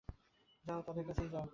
যাও, তাদের কাছেই যাও।